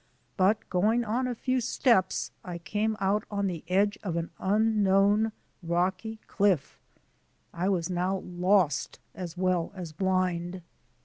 But going on a few steps I came out on the edge of an unknown rocky cliff. I was now lost as well as blind.